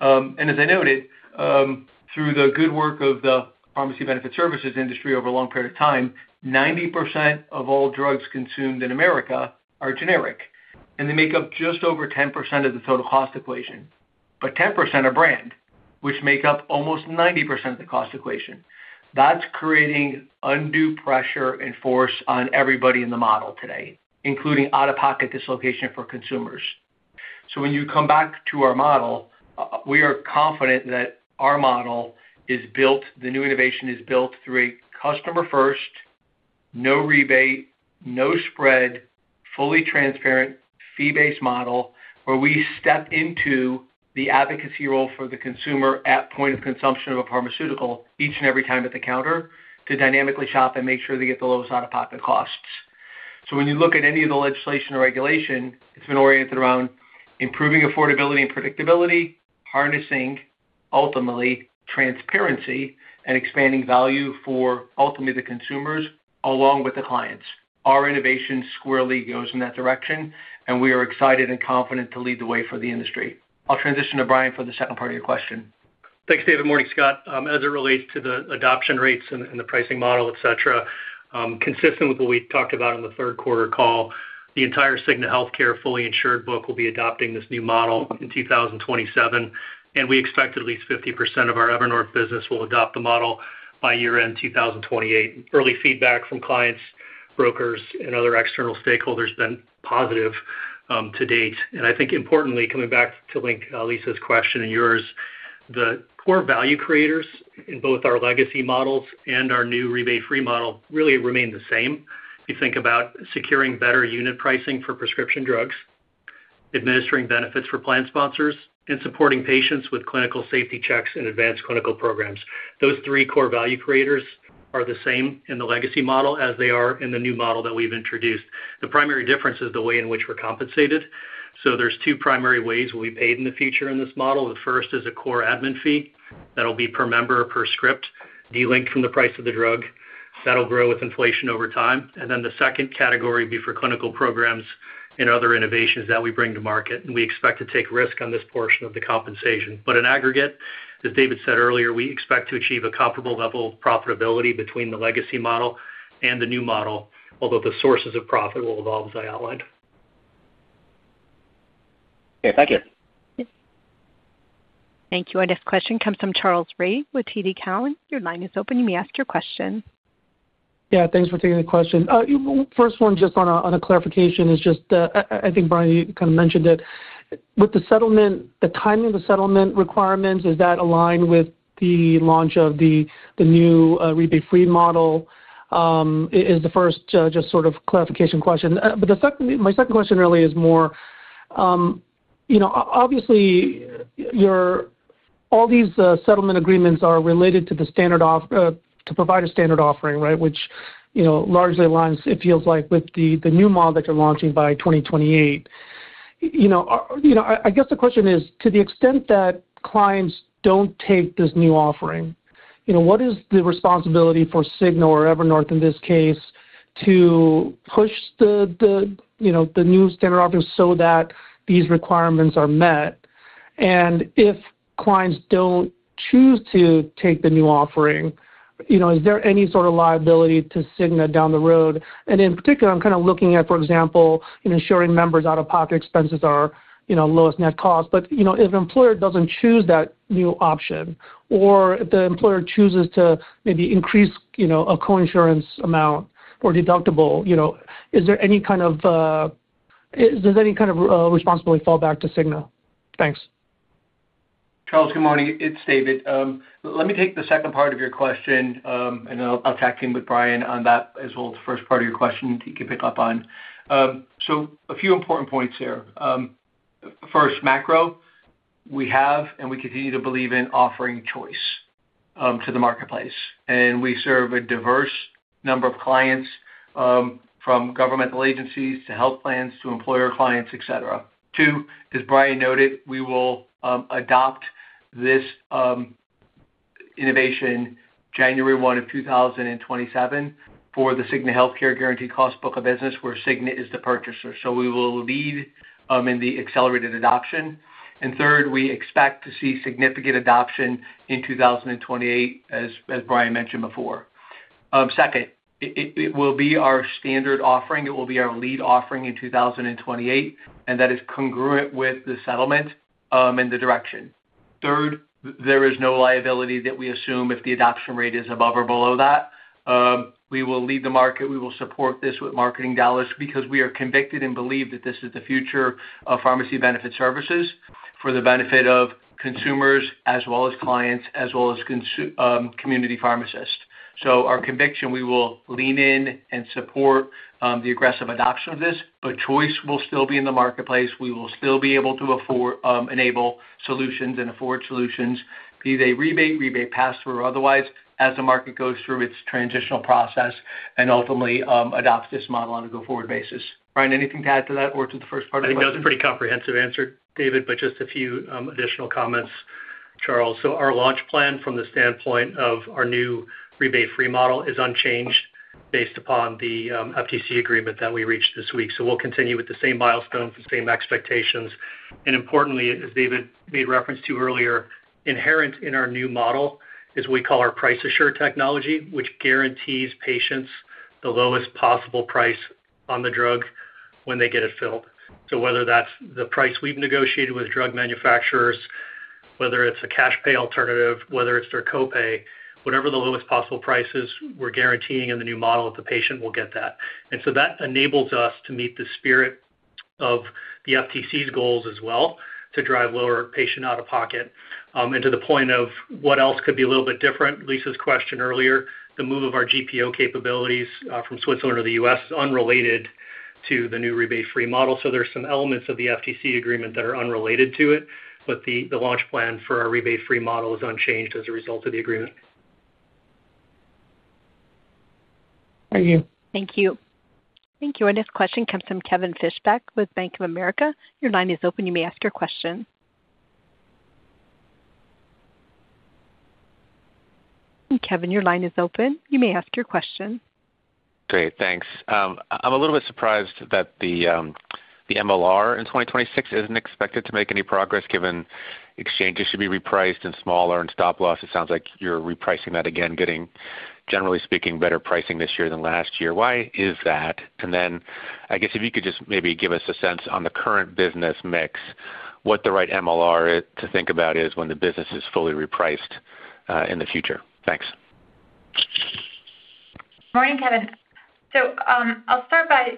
As I noted, through the good work of the pharmacy benefit services industry over a long period of time, 90% of all drugs consumed in America are generic, and they make up just over 10% of the total cost equation. But 10% are brand, which make up almost 90% of the cost equation. That's creating undue pressure and force on everybody in the model today, including out-of-pocket dislocation for consumers. So when you come back to our model, we are confident that our model is built, the new innovation is built through a customer-first, no-rebate, no-spread, fully transparent, fee-based model where we step into the advocacy role for the consumer at point of consumption of a pharmaceutical each and every time at the counter to dynamically shop and make sure they get the lowest out-of-pocket costs. So when you look at any of the legislation or regulation, it's been oriented around improving affordability and predictability, harnessing, ultimately, transparency, and expanding value for ultimately the consumers along with the clients. Our innovation squarely goes in that direction, and we are excited and confident to lead the way for the industry. I'll transition to Brian for the second part of your question. Thanks, David. Morning, Scott. As it relates to the adoption rates and the pricing model, etc., consistent with what we talked about on the third quarter call, the entire Cigna Healthcare fully insured book will be adopting this new model in 2027, and we expect at least 50% of our Evernorth business will adopt the model by year-end 2028. Early feedback from clients, brokers, and other external stakeholders has been positive to date. I think, importantly, coming back to link Lisa's question and yours, the core value creators in both our legacy models and our new rebate-free model really remain the same. If you think about securing better unit pricing for prescription drugs, administering benefits for plan sponsors, and supporting patients with clinical safety checks and advanced clinical programs, those three core value creators are the same in the legacy model as they are in the new model that we've introduced. The primary difference is the way in which we're compensated. So there's two primary ways we'll be paid in the future in this model. The first is a core admin fee that'll be per member or per script, delinked from the price of the drug. That'll grow with inflation over time. And then the second category would be for clinical programs and other innovations that we bring to market, and we expect to take risk on this portion of the compensation. But in aggregate, as David said earlier, we expect to achieve a comparable level of profitability between the legacy model and the new model, although the sources of profit will evolve as I outlined. Okay. Thank you. Thank you. Our next question comes from Charles Rhyee with TD Cowen. Your line is open. You may ask your question. Yeah. Thanks for taking the question. First one, just on a clarification, is just I think Brian, you kind of mentioned it. With the timing of the settlement requirements, does that align with the launch of the new rebate-free model? That's the first, just sort of clarification question. But my second question really is more, obviously, all these settlement agreements are related to provide a standard offering, right, which largely aligns, it feels like, with the new model that you're launching by 2028. I guess the question is, to the extent that clients don't take this new offering, what is the responsibility for Cigna or Evernorth, in this case, to push the new standard offering so that these requirements are met? And if clients don't choose to take the new offering, is there any sort of liability to Cigna down the road? In particular, I'm kind of looking at, for example, ensuring members' out-of-pocket expenses are lowest net cost. But if an employer doesn't choose that new option or if the employer chooses to maybe increase a coinsurance amount or deductible, is there any kind of responsibility fall back to Cigna? Thanks. Charles, good morning. It's David. Let me take the second part of your question, and I'll check in with Brian on that as well as the first part of your question that you can pick up on. So a few important points here. First, macro, we have and we continue to believe in offering choice to the marketplace. We serve a diverse number of clients from governmental agencies to health plans to employer clients, etc. Two, as Brian noted, we will adopt this innovation January 1 of 2027 for the Cigna Healthcare Guaranteed Cost book of business, where Cigna is the purchaser. We will lead in the accelerated adoption. Third, we expect to see significant adoption in 2028, as Brian mentioned before. Second, it will be our standard offering. It will be our lead offering in 2028, and that is congruent with the settlement and the direction. Third, there is no liability that we assume if the adoption rate is above or below that. We will lead the market. We will support this with marketing dollars because we are convicted and believe that this is the future of pharmacy benefit services for the benefit of consumers as well as clients as well as community pharmacists. So our conviction, we will lean in and support the aggressive adoption of this, but choice will still be in the marketplace. We will still be able to enable solutions and afford solutions, be they rebate, rebate pass-through, or otherwise, as the market goes through its transitional process and ultimately adopts this model on a go forward basis. Brian, anything to add to that or to the first part of the question? I know it's a pretty comprehensive answer, David, but just a few additional comments, Charles. So our launch plan from the standpoint of our new rebate-free model is unchanged based upon the FTC agreement that we reached this week. So we'll continue with the same milestones, the same expectations. And importantly, as David made reference to earlier, inherent in our new model is what we call our Price Assured technology, which guarantees patients the lowest possible price on the drug when they get it filled. So whether that's the price we've negotiated with drug manufacturers, whether it's a cash pay alternative, whether it's their copay, whatever the lowest possible price is, we're guaranteeing in the new model that the patient will get that. And so that enables us to meet the spirit of the FTC's goals as well to drive lower patient out-of-pocket. To the point of what else could be a little bit different, Lisa's question earlier, the move of our GPO capabilities from Switzerland to the U.S. is unrelated to the new rebate-free model. There's some elements of the FTC agreement that are unrelated to it, but the launch plan for our rebate-free model is unchanged as a result of the agreement. Thank you. Thank you. Thank you. Our next question comes from Kevin Fischbeck with Bank of America. Your line is open. You may ask your question. Kevin, your line is open. You may ask your question. Great. Thanks. I'm a little bit surprised that the MLR in 2026 isn't expected to make any progress given exchanges should be repriced and smaller and stop loss. It sounds like you're repricing that again, getting, generally speaking, better pricing this year than last year. Why is that? And then I guess if you could just maybe give us a sense on the current business mix, what the right MLR to think about is when the business is fully repriced in the future. Thanks. Morning, Kevin. So I'll start by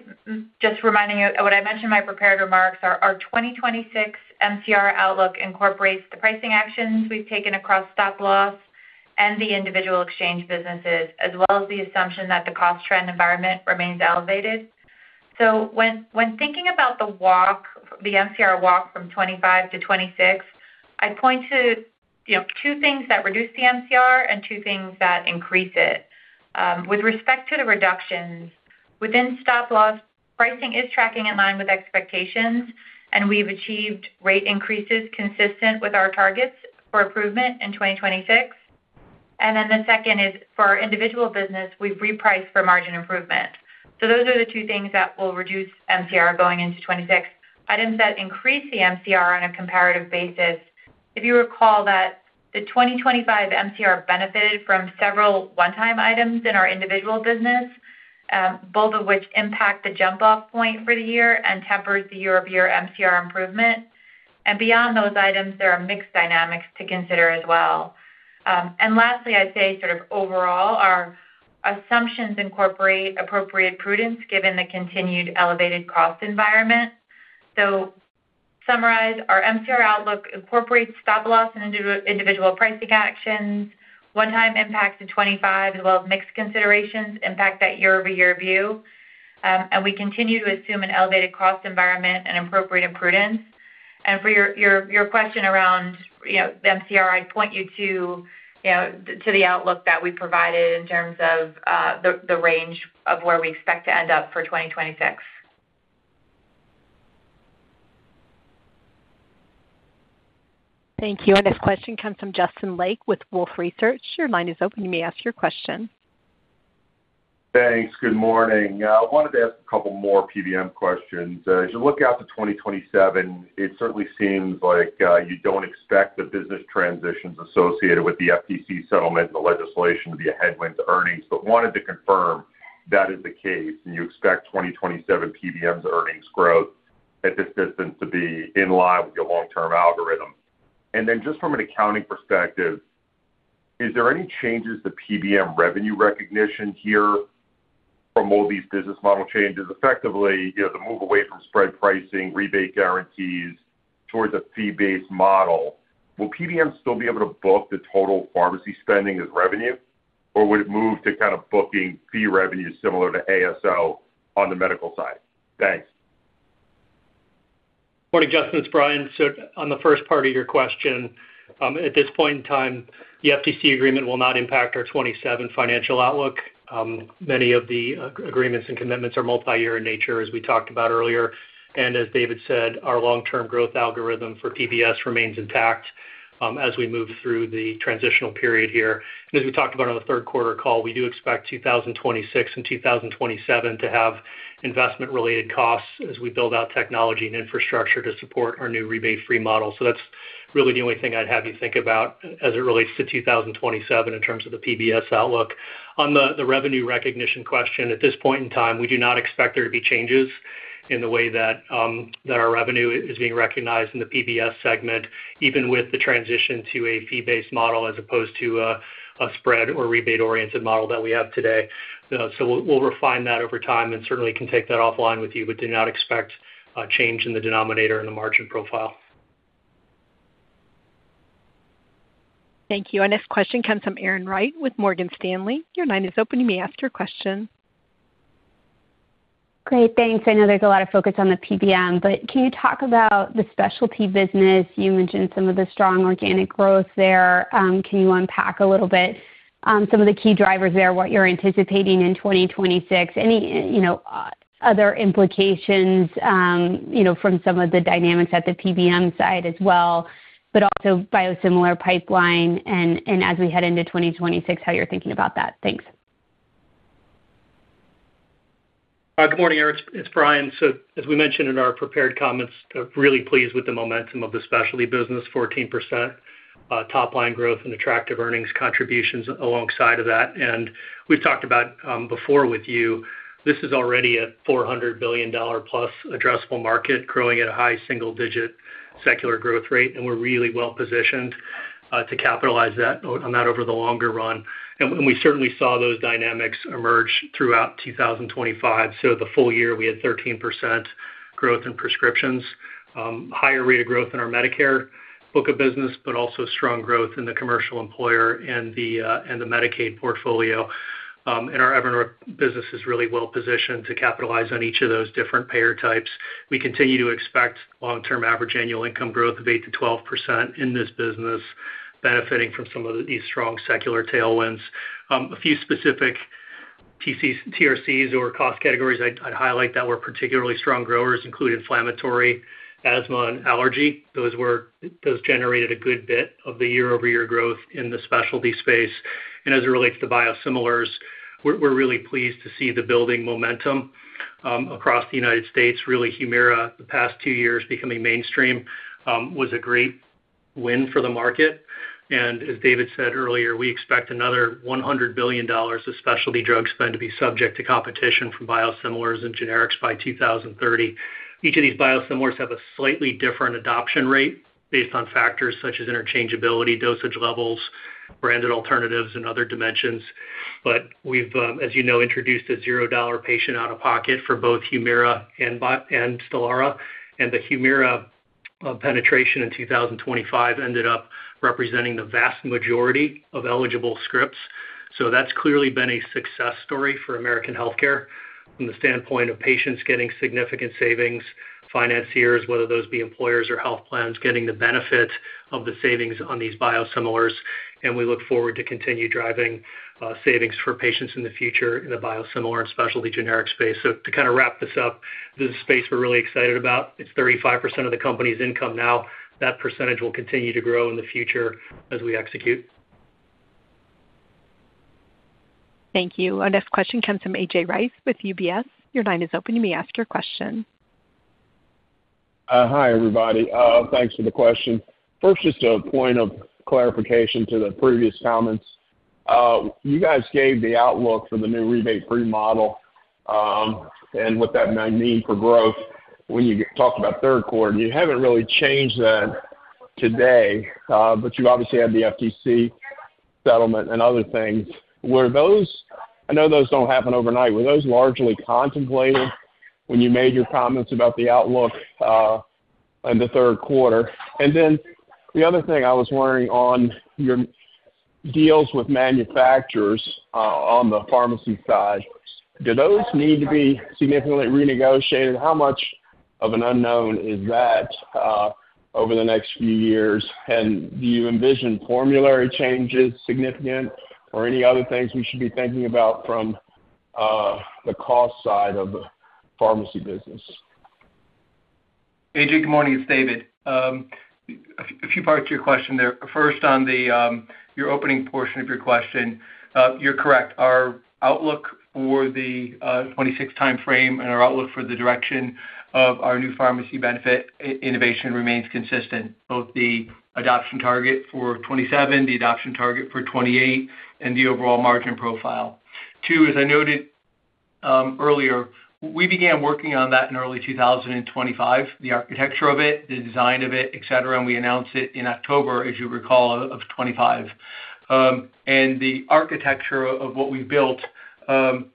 just reminding you what I mentioned in my prepared remarks. Our 2026 MCR outlook incorporates the pricing actions we've taken across stop loss and the individual exchange businesses, as well as the assumption that the cost trend environment remains elevated. So when thinking about the MCR walk from 2025 to 2026, I'd point to two things that reduce the MCR and two things that increase it. With respect to the reductions, within stop loss, pricing is tracking in line with expectations, and we've achieved rate increases consistent with our targets for improvement in 2026. And then the second is, for our individual business, we've repriced for margin improvement. So those are the two things that will reduce MCR going into 2026. Items that increase the MCR on a comparative basis. If you recall that the 2025 MCR benefited from several one-time items in our individual business, both of which impact the jump-off point for the year and tempers the year-over-year MCR improvement. And beyond those items, there are mixed dynamics to consider as well. And lastly, I'd say sort of overall, our assumptions incorporate appropriate prudence given the continued elevated cost environment. So to summarize, our MCR outlook incorporates stop loss and individual pricing actions. One-time impacts in 2025 as well as mixed considerations impact that year-over-year view. And we continue to assume an elevated cost environment and appropriate prudence. And for your question around the MCR, I'd point you to the outlook that we provided in terms of the range of where we expect to end up for 2026. Thank you. Our next question comes from Justin Lake with Wolfe Research. Your line is open. You may ask your question. Thanks. Good morning. I wanted to ask a couple more PBM questions. As you look out to 2027, it certainly seems like you don't expect the business transitions associated with the FTC settlement and the legislation to be a headwind to earnings. But I wanted to confirm that is the case, and you expect 2027 PBM's earnings growth at this distance to be in line with your long-term algorithm. And then just from an accounting perspective, is there any changes to PBM revenue recognition here from all these business model changes? Effectively, the move away from spread pricing, rebate guarantees, towards a fee-based model, will PBM still be able to book the total pharmacy spending as revenue, or would it move to kind of booking fee revenue similar to ASO on the medical side? Thanks. Good morning, Justin. It's Brian. So on the first part of your question, at this point in time, the FTC agreement will not impact our 2027 financial outlook. Many of the agreements and commitments are multi-year in nature, as we talked about earlier. As David said, our long-term growth algorithm for PBS remains intact as we move through the transitional period here. As we talked about on the third quarter call, we do expect 2026 and 2027 to have investment-related costs as we build out technology and infrastructure to support our new rebate-free model. So that's really the only thing I'd have you think about as it relates to 2027 in terms of the PBS outlook. On the revenue recognition question, at this point in time, we do not expect there to be changes in the way that our revenue is being recognized in the PBS segment, even with the transition to a fee-based model as opposed to a spread or rebate-oriented model that we have today. So we'll refine that over time and certainly can take that offline with you, but do not expect a change in the denominator and the margin profile. Thank you. Our next question comes from Erin Wright with Morgan Stanley. Your line is open. You may ask your question. Great. Thanks. I know there's a lot of focus on the PBM, but can you talk about the specialty business? You mentioned some of the strong organic growth there. Can you unpack a little bit some of the key drivers there, what you're anticipating in 2026, any other implications from some of the dynamics at the PBM side as well, but also biosimilar pipeline, and as we head into 2026, how you're thinking about that? Thanks. Good morning, Erin. It's Brian. So as we mentioned in our prepared comments, really pleased with the momentum of the specialty business, 14% top-line growth and attractive earnings contributions alongside of that. And we've talked about before with you, this is already a $400 billion-plus addressable market growing at a high single-digit secular growth rate, and we're really well-positioned to capitalize on that over the longer run. And we certainly saw those dynamics emerge throughout 2025. So the full year, we had 13% growth in prescriptions, higher rate of growth in our Medicare book of business, but also strong growth in the commercial employer and the Medicaid portfolio. And our Evernorth business is really well-positioned to capitalize on each of those different payer types. We continue to expect long-term average annual income growth of 8%-12% in this business, benefiting from some of these strong secular tailwinds. A few specific TRCs or cost categories I'd highlight that were particularly strong growers include inflammatory, asthma, and allergy. Those generated a good bit of the year-over-year growth in the specialty space. And as it relates to biosimilars, we're really pleased to see the building momentum across the United States. Really, HUMIRA, the past two years becoming mainstream, was a great win for the market. And as David said earlier, we expect another $100 billion of specialty drug spend to be subject to competition from biosimilars and generics by 2030. Each of these biosimilars have a slightly different adoption rate based on factors such as interchangeability, dosage levels, branded alternatives, and other dimensions. But we've, as you know, introduced a $0 patient out-of-pocket for both HUMIRA and STELARA. And the HUMIRA penetration in 2025 ended up representing the vast majority of eligible scripts. So that's clearly been a success story for American healthcare from the standpoint of patients getting significant savings, financiers, whether those be employers or health plans, getting the benefit of the savings on these biosimilars. And we look forward to continuing to drive savings for patients in the future in the biosimilar and specialty generic space. So to kind of wrap this up, this is a space we're really excited about. It's 35% of the company's income now. That percentage will continue to grow in the future as we execute. Thank you. Our next question comes from A.J. Rice with UBS. Your line is open. You may ask your question. Hi, everybody. Thanks for the question. First, just a point of clarification to the previous comments. You guys gave the outlook for the new rebate-free model. And with that magnificent growth, when you talked about third quarter, you haven't really changed that today, but you obviously had the FTC settlement and other things. I know those don't happen overnight. Were those largely contemplated when you made your comments about the outlook in the third quarter? And then the other thing I was wondering on your deals with manufacturers on the pharmacy side, do those need to be significantly renegotiated? How much of an unknown is that over the next few years? And do you envision formulary changes significant or any other things we should be thinking about from the cost side of the pharmacy business? A.J., good morning. It's David. A few parts to your question there. First, on your opening portion of your question, you're correct. Our outlook for the 2026 timeframe and our outlook for the direction of our new pharmacy benefit innovation remains consistent, both the adoption target for 2027, the adoption target for 2028, and the overall margin profile. Two, as I noted earlier, we began working on that in early 2025, the architecture of it, the design of it, etc. And we announced it in October, as you recall, of 2025. And the architecture of what we've built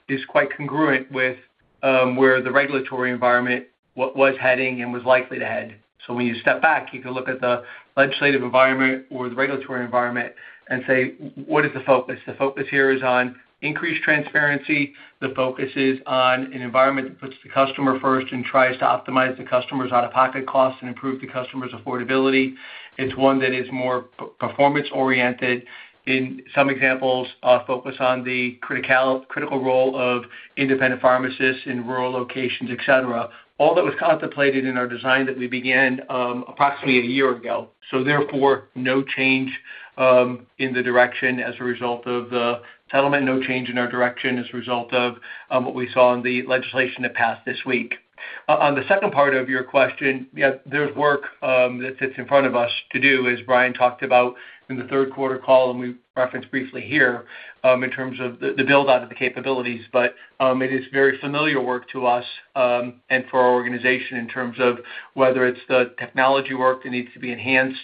is quite congruent with where the regulatory environment was heading and was likely to head. So when you step back, you can look at the legislative environment or the regulatory environment and say, "What is the focus?" The focus here is on increased transparency. The focus is on an environment that puts the customer first and tries to optimize the customer's out-of-pocket costs and improve the customer's affordability. It's one that is more performance-oriented. In some examples, focus on the critical role of independent pharmacists in rural locations, etc. All that was contemplated in our design that we began approximately a year ago. So therefore, no change in the direction as a result of the settlement, no change in our direction as a result of what we saw in the legislation that passed this week. On the second part of your question, there's work that sits in front of us to do, as Brian talked about in the third quarter call and we referenced briefly here in terms of the build-out of the capabilities. But it is very familiar work to us and for our organization in terms of whether it's the technology work that needs to be enhanced,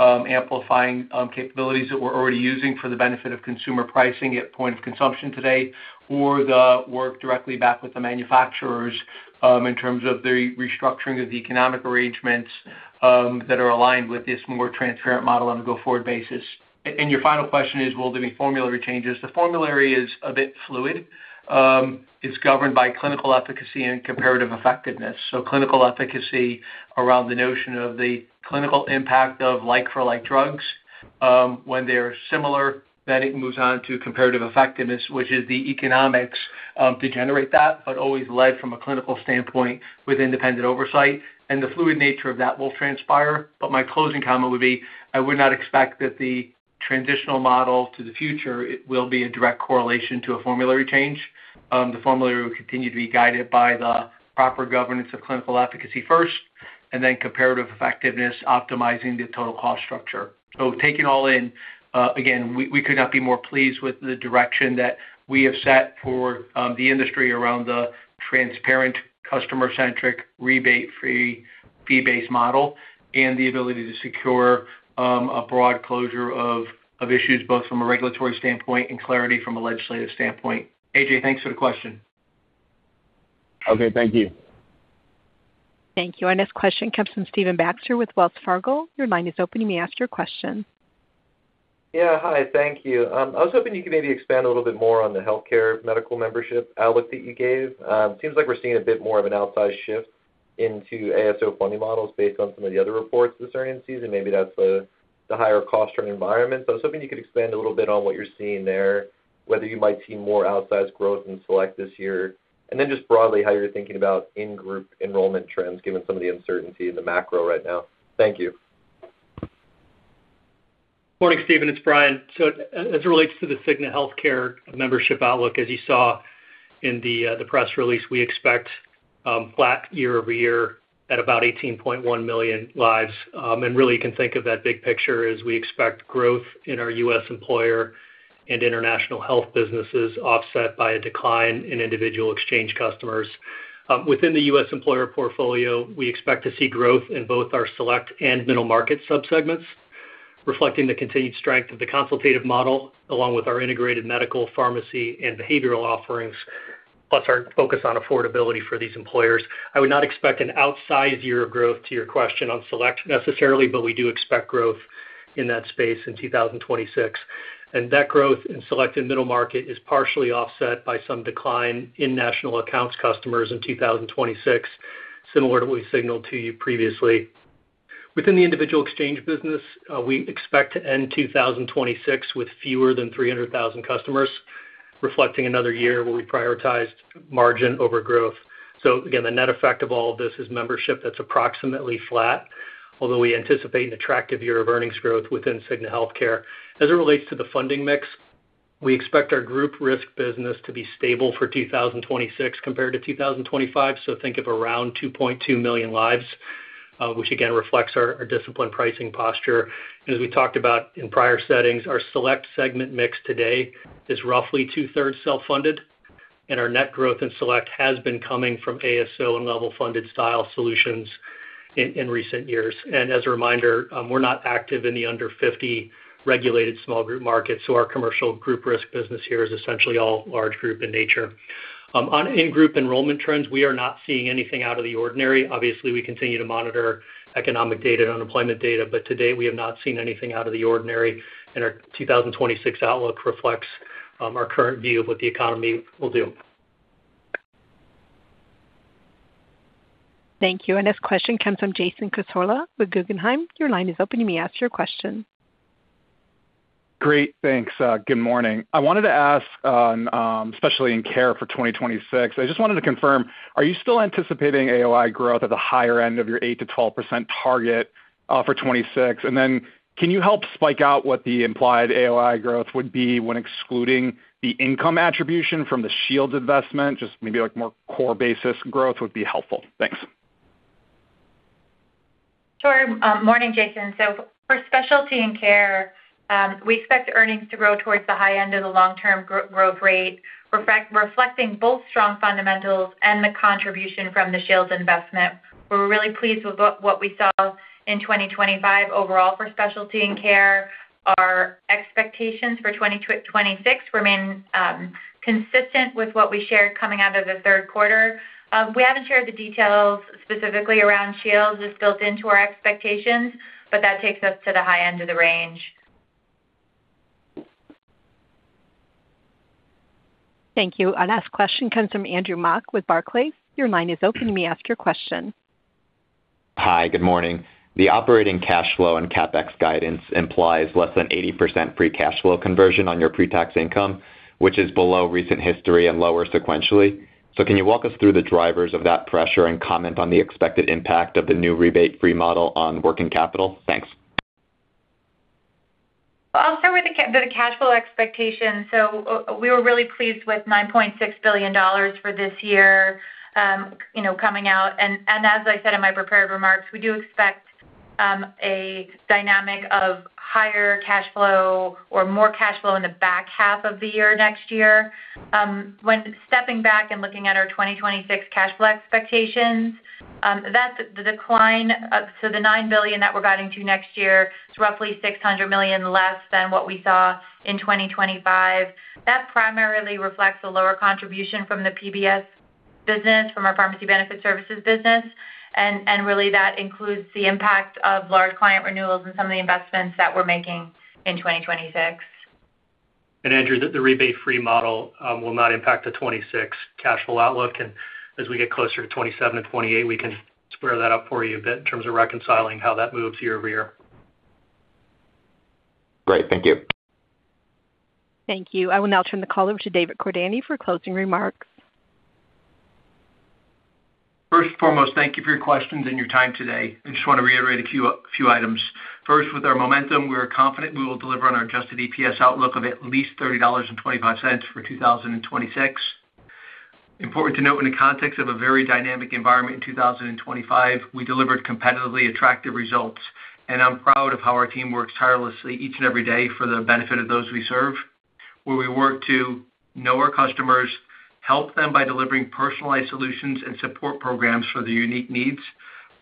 amplifying capabilities that we're already using for the benefit of consumer pricing at point of consumption today, or the work directly back with the manufacturers in terms of the restructuring of the economic arrangements that are aligned with this more transparent model on a go-forward basis. And your final question is, will there be formulary changes? The formulary is a bit fluid. It's governed by clinical efficacy and comparative effectiveness. So clinical efficacy around the notion of the clinical impact of like-for-like drugs. When they're similar, then it moves on to comparative effectiveness, which is the economics to generate that, but always led from a clinical standpoint with independent oversight. And the fluid nature of that will transpire. But my closing comment would be, I would not expect that the transitional model to the future will be a direct correlation to a formulary change. The formulary will continue to be guided by the proper governance of clinical efficacy first and then comparative effectiveness optimizing the total cost structure. So taking all in, again, we could not be more pleased with the direction that we have set for the industry around the transparent, customer-centric, rebate-free fee-based model and the ability to secure a broad closure of issues both from a regulatory standpoint and clarity from a legislative standpoint. A.J., thanks for the question. Okay. Thank you. Thank you. Our next question comes from Stephen Baxter with Wells Fargo. Your line is open. You may ask your question. Yeah. Hi. Thank you. I was hoping you could maybe expand a little bit more on the healthcare medical membership outlook that you gave. It seems like we're seeing a bit more of an outsized shift into ASO funding models based on some of the other reports this earnings season. Maybe that's the higher cost trend environment. So I was hoping you could expand a little bit on what you're seeing there, whether you might see more outsized growth in Select this year, and then just broadly how you're thinking about in-group enrollment trends given some of the uncertainty in the macro right now. Thank you. Morning, Stephen. It's Brian. So as it relates to the Cigna Healthcare membership outlook, as you saw in the press release, we expect flat year-over-year at about 18.1 million lives. And really, you can think of that big picture as we expect growth in our U.S. employer and international health businesses offset by a decline in individual exchange customers. Within the U.S. employer portfolio, we expect to see growth in both our Select and middle-market subsegments, reflecting the continued strength of the consultative model along with our integrated medical, pharmacy, and behavioral offerings, plus our focus on affordability for these employers. I would not expect an outsized year of growth to your question on Select necessarily, but we do expect growth in that space in 2026. And that growth in Select and middle-market is partially offset by some decline in national accounts customers in 2026, similar to what we signaled to you previously. Within the individual exchange business, we expect to end 2026 with fewer than 300,000 customers, reflecting another year where we prioritized margin over growth. So again, the net effect of all of this is membership that's approximately flat, although we anticipate an attractive year of earnings growth within Cigna Healthcare. As it relates to the funding mix, we expect our group risk business to be stable for 2026 compared to 2025. So think of around 2.2 million lives, which again reflects our disciplined pricing posture. And as we talked about in prior settings, our Select segment mix today is roughly 2/3 self-funded. And our net growth in Select has been coming from ASO and level-funded style solutions in recent years. As a reminder, we're not active in the under-50 regulated small group markets. Our commercial group risk business here is essentially all large group in nature. On in-group enrollment trends, we are not seeing anything out of the ordinary. Obviously, we continue to monitor economic data and unemployment data, but today, we have not seen anything out of the ordinary. Our 2026 outlook reflects our current view of what the economy will do. Thank you. Our next question comes from Jason Cassorla with Guggenheim. Your line is open. You may ask your question. Great. Thanks. Good morning. I wanted to ask, especially in care for 2026, I just wanted to confirm, are you still anticipating AOI growth at the higher end of your 8%-12% target for 2026? And then can you help break out what the implied AOI growth would be when excluding the income attribution from the Shields investment? Just maybe more core basis growth would be helpful. Thanks. Sure. Morning, Jason. So for specialty and care, we expect earnings to grow towards the high end of the long-term growth rate, reflecting both strong fundamentals and the contribution from the Shields investment. We're really pleased with what we saw in 2025 overall for specialty and care. Our expectations for 2026 remain consistent with what we shared coming out of the third quarter. We haven't shared the details specifically around Shields as built into our expectations, but that takes us to the high end of the range. Thank you. Our last question comes from Andrew Mok with Barclays. Your line is open. You may ask your question. Hi. Good morning. The operating cash flow and CapEx guidance implies less than 80% free cash flow conversion on your pre-tax income, which is below recent history and lower sequentially. So can you walk us through the drivers of that pressure and comment on the expected impact of the new rebate-free model on working capital? Thanks. Well, I'll start with the cash flow expectations. So we were really pleased with $9.6 billion for this year coming out. And as I said in my prepared remarks, we do expect a dynamic of higher cash flow or more cash flow in the back half of the year next year. When stepping back and looking at our 2026 cash flow expectations, the decline so the $9 billion that we're guiding to next year is roughly $600 million less than what we saw in 2025. That primarily reflects the lower contribution from the PBS business, from our pharmacy benefit services business. And really, that includes the impact of large client renewals and some of the investments that we're making in 2026. Andrew, the rebate-free model will not impact the 2026 cash flow outlook. As we get closer to 2027 and 2028, we can square that up for you a bit in terms of reconciling how that moves year-over-year. Great. Thank you. Thank you. I will now turn the call over to David Cordani for closing remarks. First and foremost, thank you for your questions and your time today. I just want to reiterate a few items. First, with our momentum, we are confident we will deliver on our Adjusted EPS outlook of at least $30.25 for 2026. Important to note, in the context of a very dynamic environment in 2025, we delivered competitively attractive results. And I'm proud of how our team works tirelessly each and every day for the benefit of those we serve, where we work to know our customers, help them by delivering personalized solutions and support programs for their unique needs,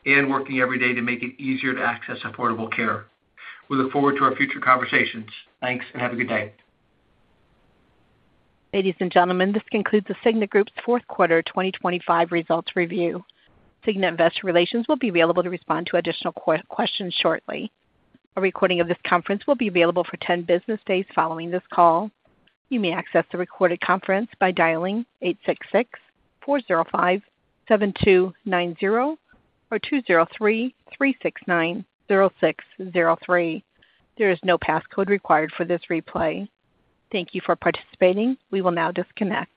and working every day to make it easier to access affordable care. We look forward to our future conversations. Thanks, and have a good day. Ladies and gentlemen, this concludes The Cigna Group's fourth quarter 2025 results review. The Cigna Group's Investor Relations will be available to respond to additional questions shortly. A recording of this conference will be available for 10 business days following this call. You may access the recorded conference by dialing 866-405-7290 or 203-369-0603. There is no passcode required for this replay. Thank you for participating. We will now disconnect.